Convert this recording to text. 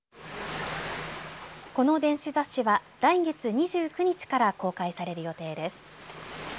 この電子雑誌は来月２９日から公開される予定です。